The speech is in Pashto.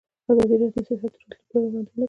ازادي راډیو د سیاست د راتلونکې په اړه وړاندوینې کړې.